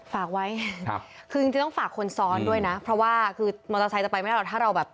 ฝากไว้ครับคือจริงต้องฝากคนซ้อนด้วยนะเพราะว่าคือมอเตอร์ไซค์จะไปไม่ได้หรอกถ้าเราแบบ